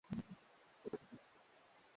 Na kuna watumikaji wa mingi mu kolwezi